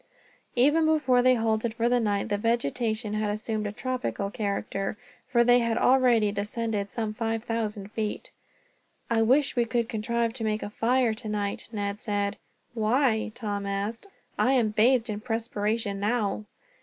Even before they halted for the night, the vegetation had assumed a tropical character, for they had already descended some five thousand feet. "I wish we could contrive to make a fire tonight," Ned said. "Why?" Tom asked. "I am bathed in perspiration, now."